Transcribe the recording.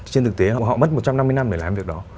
trên thực tế họ mất một trăm năm mươi năm để làm việc đó